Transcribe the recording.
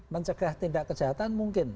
mencegah tindak kejahatan mungkin